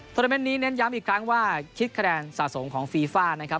โมเมนต์นี้เน้นย้ำอีกครั้งว่าคิดคะแนนสะสมของฟีฟ่านะครับ